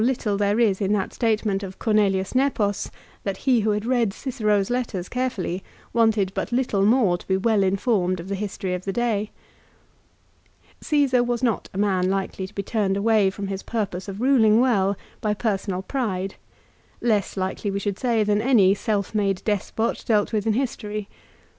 little there is in that statement of Cornelius Nepos that he who had read Cicero's letters carefully wanted but little more to be well informed of the history of the day. Csesar was not a man likely to be turned away from his purpose of ruling well, by personal pride, less likely we should say than any self made despot dealt with in history.